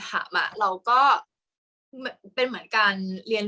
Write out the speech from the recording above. กากตัวทำอะไรบ้างอยู่ตรงนี้คนเดียว